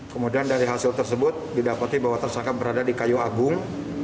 kemudian dari hasil tersebut didapati bahwa tersangka berada di kayu agung